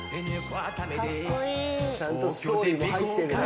ちゃんとストーリーも入ってるね。